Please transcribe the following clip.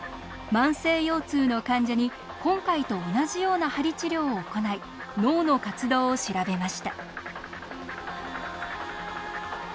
慢性腰痛の患者に今回と同じような鍼治療を行い脳の活動を調べました。